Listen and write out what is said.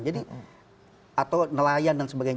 jadi atau nelayan dan sebagainya